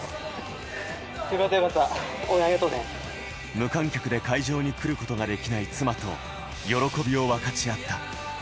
無観客で会場に来ることができない妻と喜びを分かち合った。